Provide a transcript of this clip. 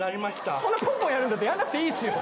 そんなにポンポンやるならやらなくていいですよ。